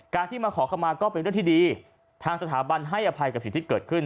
ก็เป็นเรื่องที่ดีทางสถาบันให้อภัยกับสิทธิ์ที่เกิดขึ้น